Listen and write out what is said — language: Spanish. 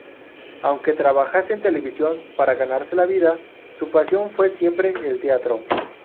Aunque trabajase en televisión para ganarse la vida, su pasión fue siempre el teatro.